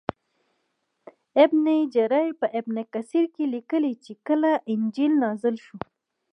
ابن جریر په ابن کثیر کې لیکلي چې کله انجیل نازل شو.